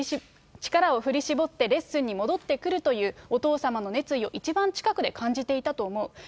力を振り絞ってレッスンに戻ってくるというお父様の熱意を一番近くで感じていたと思う。